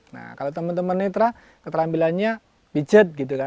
nah kalau teman teman netra keterampilannya pijat